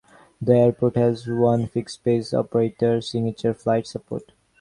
The airport has one fixed-base operator, Signature Flight Support.